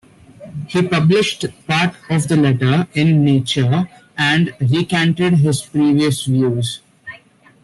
He published part of the letter in "Nature" and recanted his previous views.